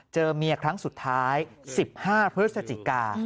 เจอเมียครั้งสุดท้าย๑๕พฤศจิกา